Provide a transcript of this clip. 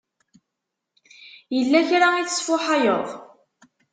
Yella kra i tesfuḥayeḍ?